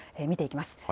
見ていきます。